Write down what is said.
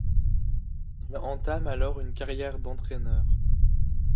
Il entame alors une carrière d'entraîneur.